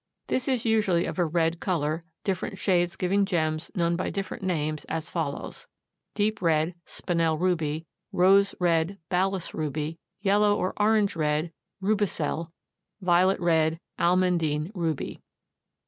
This is usually of a red color, different shades giving gems known by different names as follows: Deep red, spinel ruby; rose red, Balas ruby; yellow or orange red, rubicelle; violet red, almandine ruby.